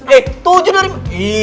eh tujuh dari lima